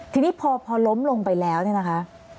ทีนี้พอล้มลงไปแล้วเนี่ยนะคะ